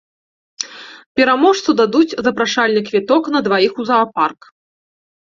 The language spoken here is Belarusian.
Пераможцу дадуць запрашальны квіток на дваіх у заапарк.